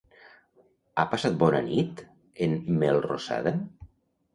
Ha passat bona nit en Melrosada?